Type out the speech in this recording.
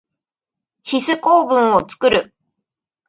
ヒス構文をつくる。